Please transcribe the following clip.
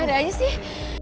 ada ada aja sih